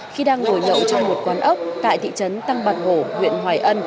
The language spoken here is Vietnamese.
khi đang ngồi nhậu trong một quán ốc tại thị trấn tăng bạc hổ huyện hoài ân